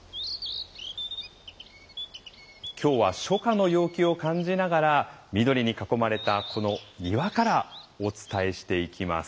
今日は初夏の陽気を感じながら緑に囲まれたこの庭からお伝えしていきます。